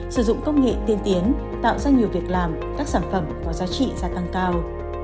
sử dụng công nghệ tiên tiến tạo ra nhiều việc làm các sản phẩm có giá trị gia tăng cao